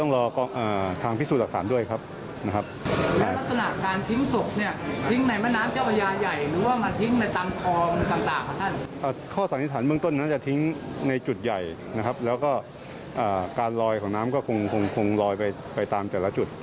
แล้วก็การลอยของน้ำก็คงลอยไปตามแต่ละจุด